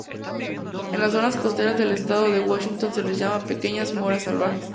En las zonas costeras del estado de Washington se les llama "pequeñas moras salvajes".